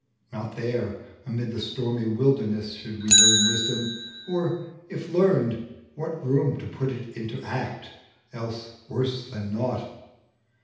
Not there, amid the stormy wilderness, Should we learn wisdom; or if learned, what room To put it into act, else worse than naught?